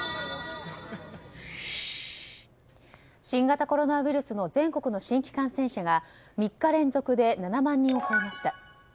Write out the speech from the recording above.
新型コロナウイルスの全国の新規感染者が３日連続で７万人を超えました。